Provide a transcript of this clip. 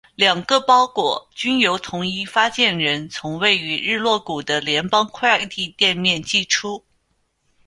两个包裹均由同一发件人从位于日落谷的联邦快递店面寄出。